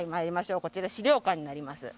こちら資料館になります。